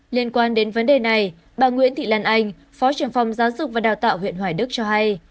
liên quan đến vấn đề này bà nguyễn thị lan anh phó trưởng phòng giáo dục và đào tạo huyện hoài đức cho hay